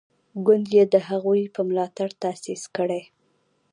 ګوند یې د هغوی په ملاتړ تاسیس کړی.